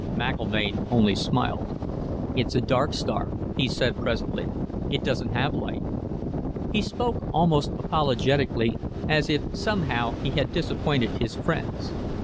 McIlvaine only smiled. "It's a dark star," he said presently. "It doesn't have light." He spoke almost apologetically, as if somehow he had disappointed his friends.